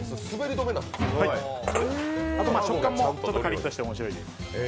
あと食感もちょっとカリッとして面白いです。